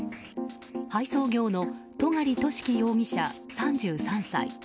配送業の戸狩聡希容疑者、３３歳。